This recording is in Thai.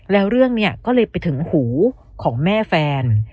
แล้วเรื่องนี้ก็เลยไปถึงหูของแม่แฟน